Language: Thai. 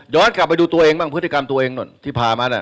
เดี๋ยวก็กลับไปดูตัวเองบ้างพฤติกรรมตัวเองที่ผ่ามา